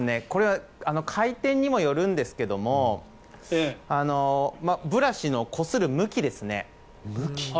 これは回転にもよるんですけどもブラシのこする向きですね。